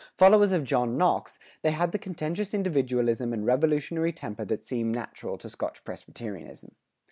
Followers of John Knox, they had the contentious individualism and revolutionary temper that seem natural to Scotch Presbyterianism.